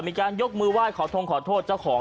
มีการยกมือไหว้ขอทงขอโทษเจ้าของ